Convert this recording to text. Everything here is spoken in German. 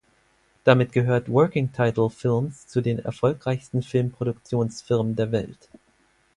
Damit gehört Working Title Films zu den erfolgreichsten Filmproduktionsfirmen der Welt.